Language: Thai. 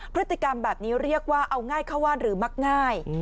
พฤติกรรมแบบนี้เรียกว่าเอาง่ายเข้าวาดหรือมักง่าย